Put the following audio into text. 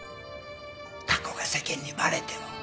過去が世間にバレても。